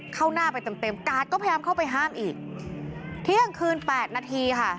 เข้าหน้าไปเต็มเต็มกาดก็พยายามเข้าไปห้ามอีกเที่ยงคืนแปดนาทีค่ะ